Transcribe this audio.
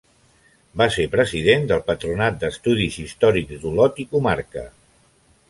Va ser president del Patronat d'Estudis Històrics d'Olot i Comarca.